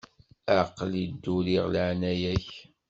Aql-i dduriɣ leɛnaya-k.